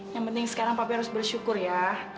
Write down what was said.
yang penting sekarang paper harus bersyukur ya